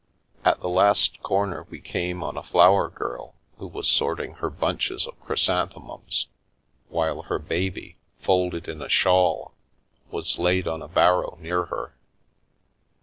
At the last corner we came on a flower girl who was sorting her bunches of chrysanthemums, while her baby, folded in a shawl, was laid on a barrow near her.